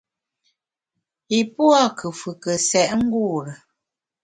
Yi pua’ nkùfùke sèt ngure.